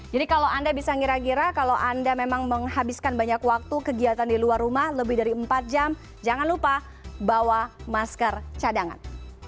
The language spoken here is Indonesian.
jadi kalau anda bisa mengira gira kalau anda memang menghabiskan banyak waktu kegiatan di luar rumah lebih dari empat jam jangan lupa bawa masker cadangan